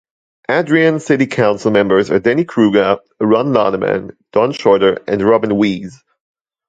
Adrian city council members are Denny Kruger, Ron Lonneman, Don Shorter, and Robert Wiese.